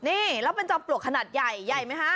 นี่แล้วเป็นจอมปลวกขนาดใหญ่ใหญ่ไหมคะ